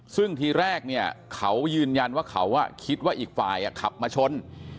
ซึ่งทีแรกเนี่ยเขายืนยันว่าเขาคิดว่าอีกฝ่ายขับมาชน